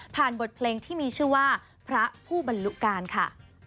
บทเพลงที่มีชื่อว่าพระผู้บรรลุการค่ะ